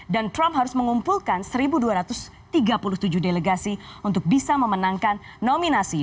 dan trump harus mengumpulkan satu dua ratus tiga puluh tujuh delegasi untuk bisa memenangkan nominasi